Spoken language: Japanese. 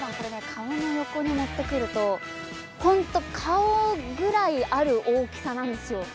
顔の横に持ってくると本当に顔ぐらいある大きさなんですよ。